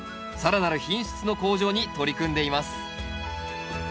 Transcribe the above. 更なる品質の向上に取り組んでいます。